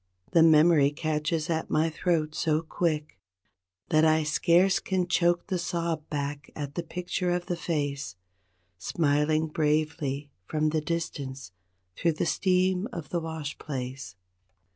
The memory catches at my throat so quick That I scarce can choke the sob back at the picture of the face Smiling bravely from the distance through the steam of the wash place.